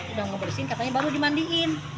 udah ngebersihin katanya baru dimandiin